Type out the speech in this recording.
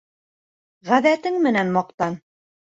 Ғәҙәтең менән маҡтан.